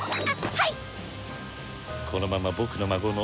「はい」。